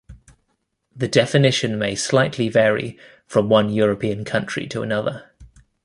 The definition may slightly vary from one European country to another.